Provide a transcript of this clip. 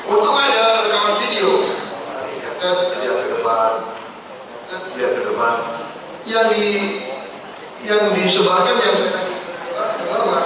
untung ada rekaman video dilihat ke depan dilihat ke depan yang disebarkan yang saya takutkan